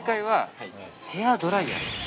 ヘアドライヤーです。